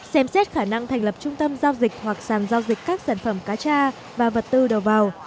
xem xét khả năng thành lập trung tâm giao dịch hoặc sàn giao dịch các sản phẩm cá cha và vật tư đầu vào